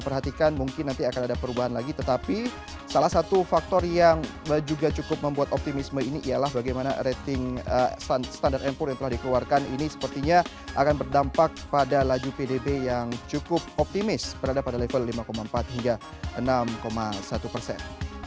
perhatikan mungkin nanti akan ada perubahan lagi tetapi salah satu faktor yang juga cukup membuat optimisme ini ialah bagaimana rating standar empur yang telah dikeluarkan ini sepertinya akan berdampak pada laju pdb yang cukup optimis berada pada level lima empat hingga enam satu persen